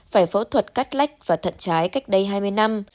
phải phẫu thuật cắt lách và thận trái cách đây hai mươi năm